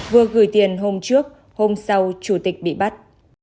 vừa gửi tiền hôm trước hôm sau chủ tịch bị bắt